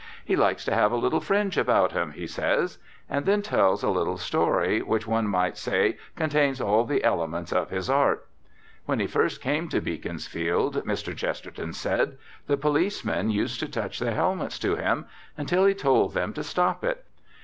"He likes to have a little fringe about him," he says. And then tells a little story, which one might say contains all the elements of his art. When he first came to Beaconsfield, Mr. Chesterton said, the policemen used to touch their helmets to him, until he told them to stop it.